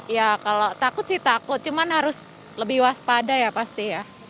ya kalau takut sih takut cuman harus lebih waspada ya pasti ya